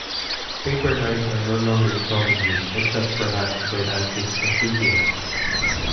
Paper knives are no longer in common use, except perhaps by antiques enthusiasts.